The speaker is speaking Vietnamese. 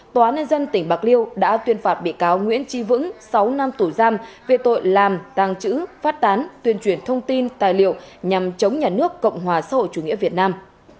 tòa án nhân dân tỉnh bạc liêu đã tuyên phạt bị cáo nguyễn tri vững sáu năm tù giam về tội làm tàng trữ phát tán tuyên truyền thông tin tài liệu nhằm chống nhà nước cộng hòa xã hội chủ nghĩa việt nam